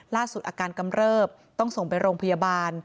อาการกำเริบต้องส่งไปโรงพยาบาล